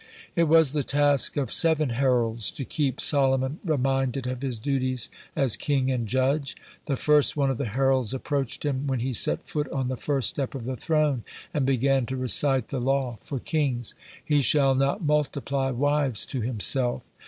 (69) It was the task of seven heralds to keep Solomon reminded of his duties as king and judge. The first one of the heralds approached him when he set foot on the first step of the throne, and began to recite the law for kings, "He shall not multiply wives to himself."